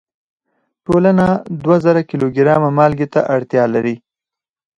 ټولنه دوه زره کیلو ګرامه مالګې ته اړتیا لري.